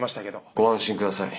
ご安心ください。